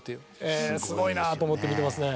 えーっすごいな！と思って見てますね。